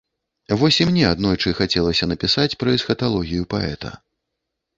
Вось і мне аднойчы хацелася напісаць пра эсхаталогію паэта.